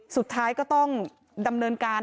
สุดท้ายก็ต้องดำเนินการ